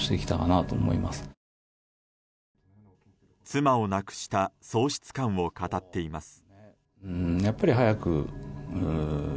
妻を亡くした喪失感を語っています。